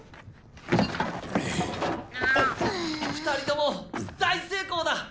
２人とも大成功だ！